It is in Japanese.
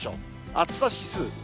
暑さ指数。